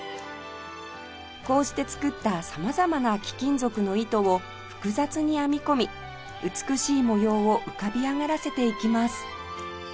こうして作った様々な貴金属の糸を複雑に編み込み美しい模様を浮かび上がらせていきます